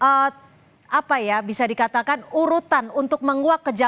oke lalu seperti apa prosedur atau apa ya bisa dikatakan urutan untuk menguak kejadian